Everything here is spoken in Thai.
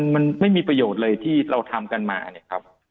มันไม่มีประโยชน์เลยที่เราทำกันมา